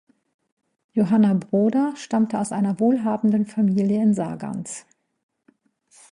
Johanna Broder stammte aus einer wohlhabenden Familie in Sargans.